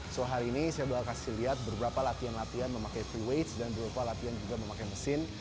so hari ini saya bakal kasih lihat beberapa latihan latihan memakai freeweight dan beberapa latihan juga memakai mesin